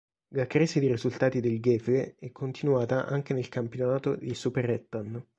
La crisi di risultati del Gefle è continuata anche nel campionato di Superettan.